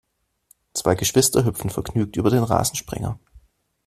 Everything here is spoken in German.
Zwei Geschwister hüpfen vergnügt über den Rasensprenger.